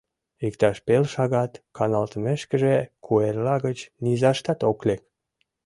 Иктаж пел шагат каналтымешкыже, куэрла гыч низаштат ок лек.